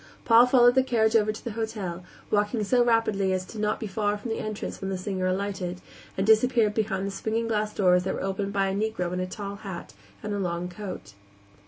Paul followed the carriage over to the hotel, walking so rapidly as not to be far from the entrance when the singer alighted, and disappeared behind the swinging glass doors that were opened by a Negro in a tall hat and a long coat.